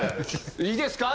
いいですか？